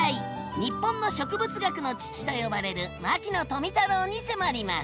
「日本の植物学の父」と呼ばれる牧野富太郎に迫ります！